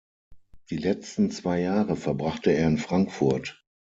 Die letzten zwei Jahre verbrachte er in Frankfurt.